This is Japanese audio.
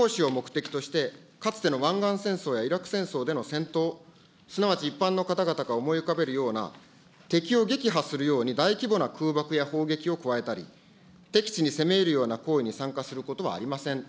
自衛隊が武力行使を目的として、かつての湾岸戦争やイラク戦争での戦闘、すなわち一般の方々が思い浮かべるような敵を撃破するように大規模な空爆や砲撃を加えたり、敵地に攻め入るような行為に参加することはありません。